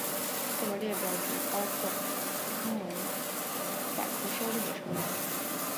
这个列表只包括英文维基百科收录的成员。